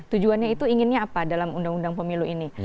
tujuannya itu inginnya apa dalam undang undang pemilu ini